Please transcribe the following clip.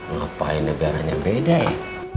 ngapain negaranya beda ya